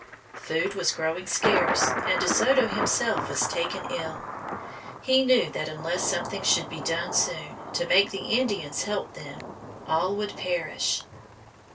Food was growing scarce, and De Soto himself was taken ill. He knew that unless something should be done soon to make the Indians help them, all would perish.